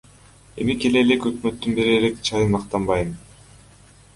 Эми келе элек өкмөттүн бере элек чайын мактабайын.